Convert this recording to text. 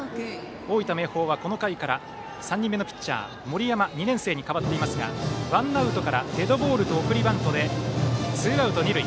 大分・明豊はこの回から３人目のピッチャー森山、２年生に代わっていますがワンアウトからデッドボールと送りバントでツーアウト二塁。